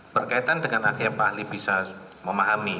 berkaitan dengan akhirnya pak ahli bisa memahami